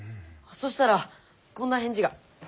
そしたらこんな返事が。